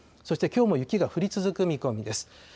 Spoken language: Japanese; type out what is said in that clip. そしてきょうも雪が降り続く見込みです。